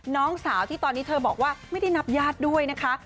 น้องสาวที่ตอนนี้เธอบอกว่าไม่ได้นับญาติด้วยนะคะ